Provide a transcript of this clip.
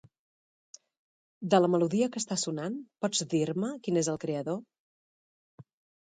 De la melodia que està sonant pots dir-me qui n'és el creador?